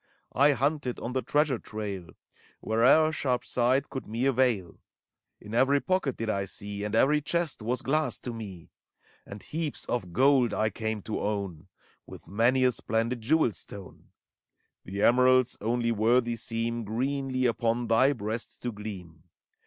I hunted on the treasure trail Where'er sharp sight could me avail : In every pocket did I see. And every chest was glass to me. And heaps of gold I came to own. With many a splendid jewel stone: The emeralds only worthy seem Greenly upon thy breast to gleam.